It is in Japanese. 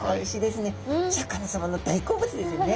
シャーク香音さまの大好物ですよね。